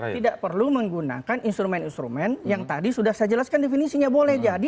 tidak perlu menggunakan instrumen instrumen yang tadi sudah saya jelaskan definisinya boleh jadi